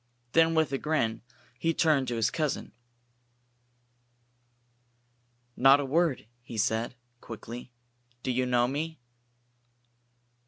Then with a grin, he turned to his cousin. "Not a word," he said, quickly. "Do you know me?"